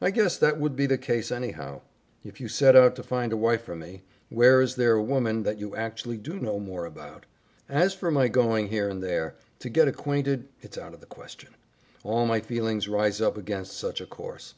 "I guess that would be the case, anyhow. If you set out to find a wife for me, where is there a woman that you actually do know more about? As for my going here and there, to get acquainted, it's out of the question. All my feelings rise up against such a course.